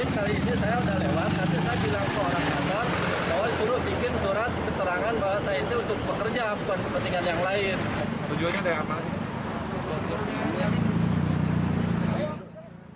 kali ini saya sudah lewat tapi saya bilang ke orang yang datang bahwa suruh bikin surat keterangan bahwa saya ini untuk bekerja bukan kepentingan yang lain